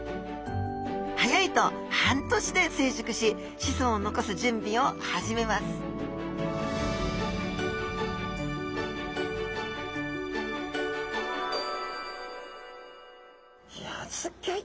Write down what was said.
早いと半年で成熟し子孫を残す準備を始めますいやあすギョい